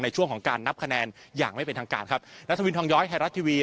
ในช่วงของการนับคะแนนอย่างไม่เป็นทางการครับนัทวินทองย้อยไทยรัฐทีวี